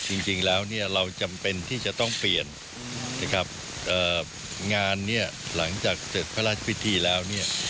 จริงแล้วเนี่ยเราจำเป็นที่จะต้องเปลี่ยนนะครับเอ่องานเนี่ยหลังจากเสร็จพระราชพิธีแล้วเนี่ย